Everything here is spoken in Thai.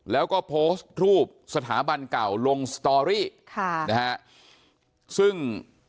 แล้วก็โพสต์รูปสถาบันเก่าลงสตอรี่ค่ะนะฮะซึ่ง